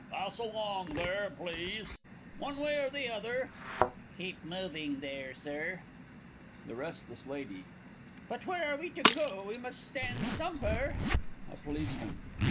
Pass along there, please, one way or the other keep moving there, Sir. THE R. L. But where are we to go we must stand somewhere? A POLICEMAN.